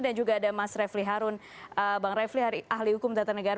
dan juga ada mas revli harun bang revli ahli hukum tata negara